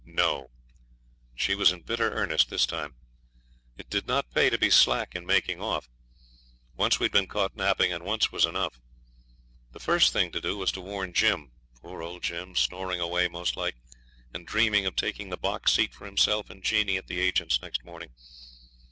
No; she was in bitter earnest this time. It did not pay to be slack in making off. Once we had been caught napping, and once was enough. The first thing to do was to warn Jim poor old Jim, snoring away, most like, and dreaming of taking the box seat for himself and Jeanie at the agent's next morning.